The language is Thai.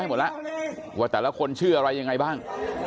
หมดแล้วว่าแต่ละคนชื่ออะไรยังไงบ้าง